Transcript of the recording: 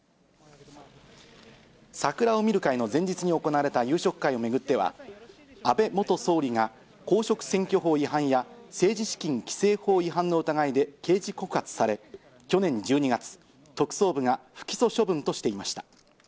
桜を見る会の前日に行われた夕食会を巡っては、安倍元総理が、公職選挙法違反や政治資金規正法違反の疑いで刑事告発され、去年１２月、特捜部が不起訴処分としていました。